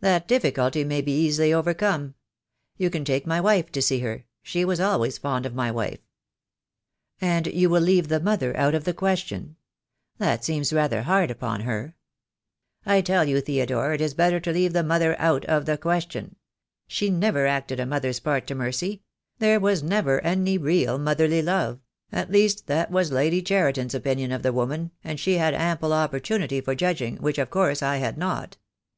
"That difficulty maybe easily overcome. You can take my wife to see her. She was always fond of my wife." "And you wall leave the mother out of the question. That seems rather hard upon her." 8* 1 I 6 THE DAY WILL COME. "I tell you, Theodore, it is better to leave the mother out of the question. She never acted a mother's part to Mercy — there was never any real motherly love — at least that was Lady Cheriton's opinion of the woman, and she had ample opportunity for judging, which, of course, I had not.